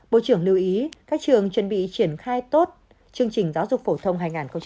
bộ trưởng lưu ý các trường chuẩn bị triển khai tốt chương trình giáo dục phổ thông hai nghìn một mươi chín